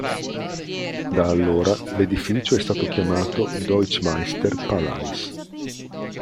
Da allora, l'edificio è stato chiamato "Deutschmeister-Palais".